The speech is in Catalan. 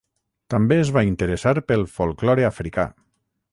També es va interessar pel folklore africà.